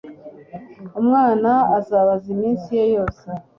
umwana azabaza iminsi ye yose